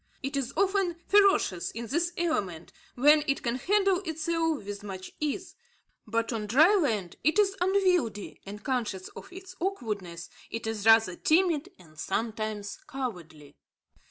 It is often ferocious in this element, where it can handle itself with much ease; but on dry land it is unwieldy, and, conscious of its awkwardness, it is rather timid and sometimes cowardly.